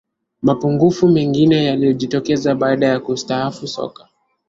Mapungufu mengine yaliyojitokeza baada ya kustaafu soka